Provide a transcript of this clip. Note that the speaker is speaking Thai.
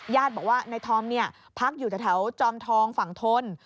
ญาติบอกว่านายธอมพักอยู่แถวจอมทองฝั่งทน